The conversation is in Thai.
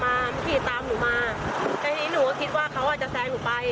มาขี่ตามหนูมาแต่ทีนี้หนูก็คิดว่าเขาอ่ะจะแซงหนูไป